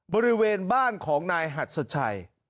บริเวณบ้านของนายหัสชัย